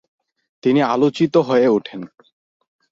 তিনি আলোচিত হয়ে উঠেন।